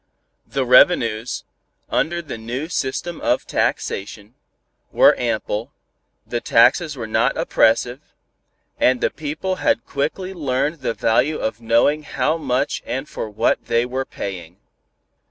The revenues, under the new system of taxation, were ample, the taxes were not oppressive, and the people had quickly learned the value of knowing how much and for what they were paying.